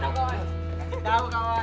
kasih tau kawan